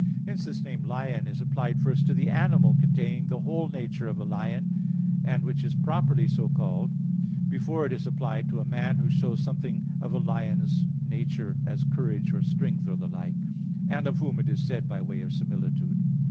Hence this name "lion" is applied first to the animal containing the whole nature of a lion, and which is properly so called, before it is applied to a man who shows something of a lion's nature, as courage, or strength, or the like; and of whom it is said by way of similitude.